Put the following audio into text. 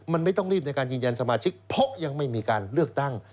มันไม่ต้องรีบในการยืนยันสมาชิกเพราะยังไม่มีการเลือกตั้ง